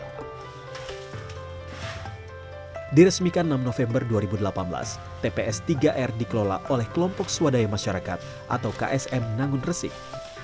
diresmikan enam november dua ribu delapan belas tps tiga r dikelola oleh kelompok swadaya masyarakat atau ksm nangun resik